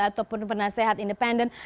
ataupun penasehat independent